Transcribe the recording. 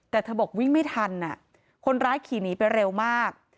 แต่เธอบอกวิ่งไม่ทันคนร้ายขี่หนีไปเร็วมาก